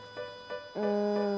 うん。